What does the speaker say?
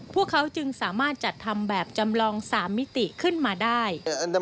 พวกเขาจึงสามารถจัดทำแบบจำลอง๓มิติขึ้นมาได้